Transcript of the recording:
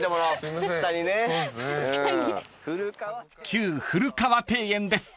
［旧古河庭園です］